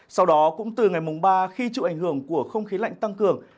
sau đó cũng từ ngày mùng ba khi chịu ảnh hưởng của không khí lạnh tăng cường